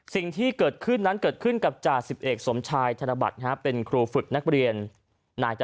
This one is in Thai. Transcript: สิ่งที่เกิดขึ้นนั้นเกิดขึ้นกับจาศิพเดี๋ยวอีก